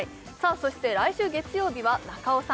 そして来週月曜日は中尾さん